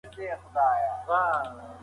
ماشومان په مېله کې ډېر خوند اخلي.